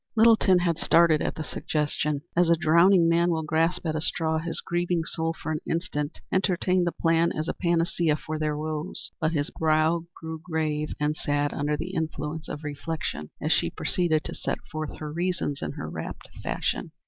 Littleton had started at the suggestion. As a drowning man will grasp at a straw, his grieving soul for an instant entertained the plan as a panacea for their woes. But his brow grew grave and sad under the influence of reflection as she proceeded to set forth her reasons in her wrapt fashion.